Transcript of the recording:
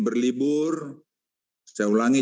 berlibur saya ulangi